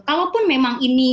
kalaupun memang ini